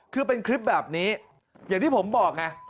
คือเป็นคลิปแบบนี้อย่างที่ผมบอกไง